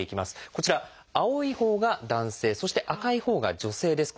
こちら青いほうが男性そして赤いほうが女性です。